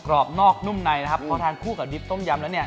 รอบนอกนุ่มในนะครับพอทานคู่กับดิบต้มยำแล้วเนี่ย